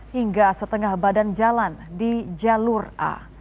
hingga setengah badan jalan di jalur a